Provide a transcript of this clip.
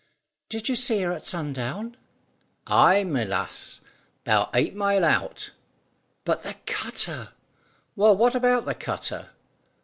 "Did you see her at sundown?" "Ay, my lass. 'Bout eight mile out." "But the cutter?" "Well, what about the cutter?"